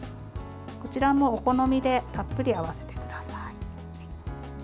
こちらもお好みでたっぷり合わせてください。